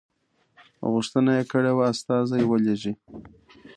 غوښتنه یې کړې وه استازی ولېږي.